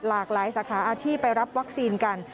หลากหลายสาขาอาชีพไปรับวัคซีนกัน